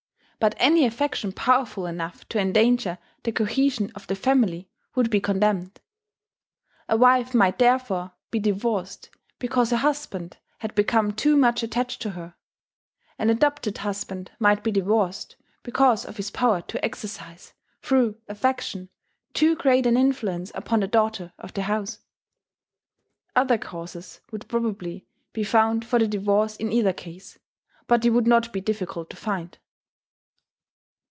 But any affection powerful enough to endanger the cohesion of the family would be condemned. A wife might therefore be divorced because her husband had become too much attached to her; an adopted husband might be divorced because of his power to exercise, through affection, too great an influence upon the daughter of the house. Other causes would probably he found for the divorce in either case but they would not be difficult to find.